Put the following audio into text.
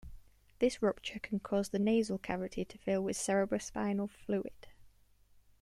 This rupture can cause the nasal cavity to fill with cerebrospinal fluid.